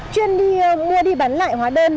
chuyên đi mua đi bán lại hóa đơn